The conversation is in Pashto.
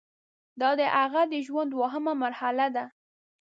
دا د هغه د ژوند دوهمه مرحله ده.